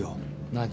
何？